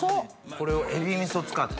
・これを海老味噌使って？